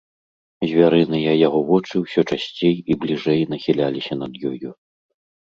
Звярыныя яго вочы ўсё часцей і бліжэй нахіляліся над ёю.